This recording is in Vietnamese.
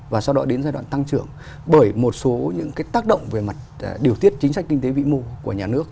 và sau đó đến giai đoạn tăng trưởng bởi một số những cái tác động về mặt điều tiết chính sách kinh tế vĩ mô của nhà nước